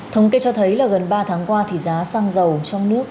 thống kê cho thấy là gần ba tháng qua thì giá xăng dầu trong nước